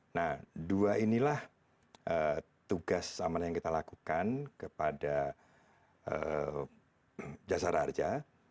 nah dua inilah tugas amanah yang kita lakukan kepada jasara harja